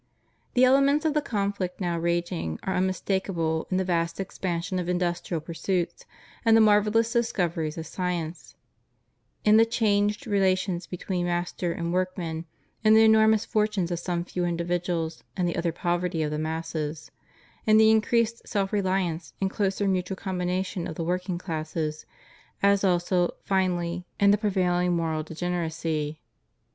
The elements of the conflict now raging are unmistakable in the vast expansion of industrial pursuits and the marvellous discoveries of science; in the changed relations between masters and workmen; in the enormous fortunes of some few individuals, and the utter poverty of the masses; m the increased self reliance and closer mutual combination of the working classes; as also, finally, in the prevailing moral degeneracy.